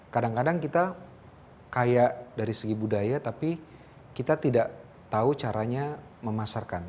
kadang kadang kita kaya dari segi budaya tapi kita tidak tahu caranya memasarkan